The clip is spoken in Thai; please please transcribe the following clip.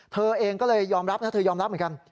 เธอเองก็เลยยอมรับนะเธอยอมรับเหมือนกัน